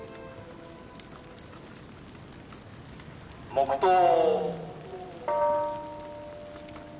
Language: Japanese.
黙とう。